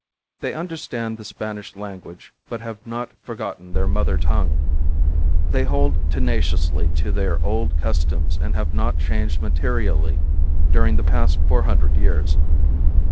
They understand the Spanish language, but have not forgotten their mother tongue. They hold tenaciously to their old customs and have not changed materially during the past four hundred years.